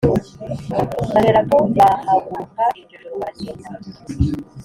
baherako bahaguruka iryo joro, baragenda